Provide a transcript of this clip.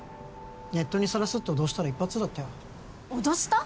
ネットにさらすって脅したら一発だったよ脅した？